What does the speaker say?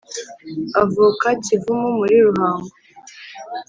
Avuka Kivumu muri Ruhango.